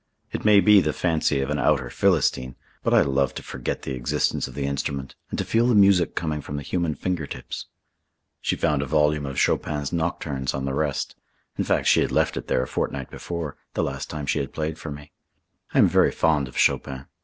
It may be the fancy of an outer Philistine, but I love to forget the existence of the instrument and to feel the music coming from the human finger tips. She found a volume of Chopin's Nocturnes on the rest. In fact she had left it there a fortnight before, the last time she had played for me. I am very fond of Chopin.